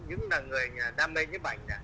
những người đam mê giúp ảnh